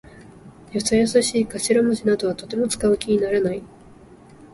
よそよそしい頭文字などはとても使う気にならない。